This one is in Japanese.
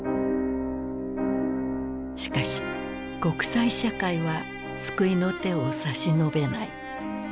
しかし国際社会は救いの手を差し伸べない。